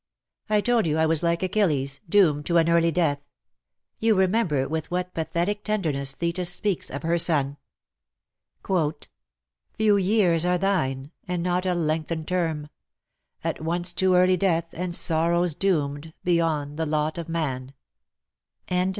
^' I told you I was like Achilles, doomed to an early death. You remember with what pathetic tenderness Thetis speaks of her son, ' Few years are thine, and not a lengthened term ; At once to early death and sorrows doomed Beyond the lot of man !'